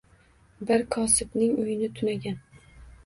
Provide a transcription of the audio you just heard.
Bir kosibning uyini tunagan